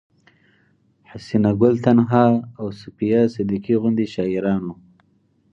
حسينه ګل تنها او صفيه صديقي غوندې شاعرانو